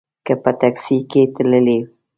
که په ټیکسي کې تللې.